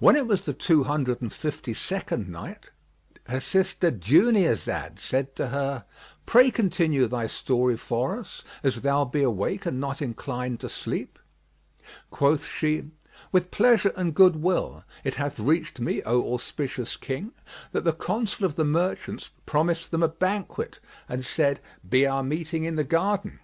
When it was the Two Hundred and Fifty second Night, Her sister Dunyazad said to her, "Pray continue thy story for us, as thou be awake and not inclined to sleep." Quoth she:—With pleasure and goodwill: it hath reached me, O auspicious King, that the Consul of the merchants promised them a banquet and said "Be our meeting in the garden."